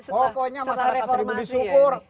pokoknya masyarakat terima disyukur